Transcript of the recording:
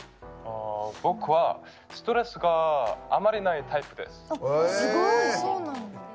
僕はストレスがあまりないタイプです。